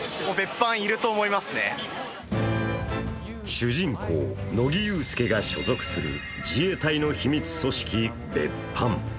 主人公・乃木憂助が所属する自衛隊の秘密組織、別班。